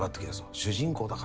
主人公だからな。